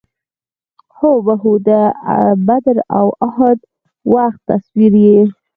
هو بهو د بدر او اُحد د وخت تصویر یې.